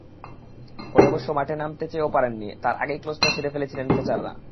পরে অবশ্য মাঠে নামতে চেয়েও পারেননি, তার আগেই কাজটা সেরে ফেলেছিলেন ফ্লেচাররা।